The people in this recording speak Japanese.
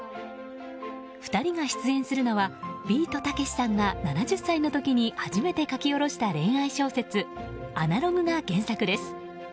２人が出演するのはビートたけしさんが７０歳の時に初めて書き下ろした恋愛小説「アナログ」が原作です。